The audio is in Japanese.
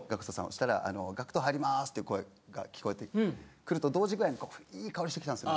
そしたら「ＧＡＣＫＴ入ります！」って声が聞こえてくると同時ぐらいにいい香りしてきたんですよ。